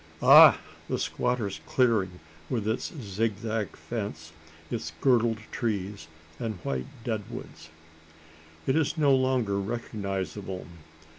Ah! the squatter's clearing, with its zigzag fence, its girdled trees, and white dead woods! It is no longer recognisable.